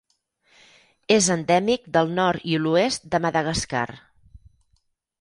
És endèmic del nord i l'oest de Madagascar.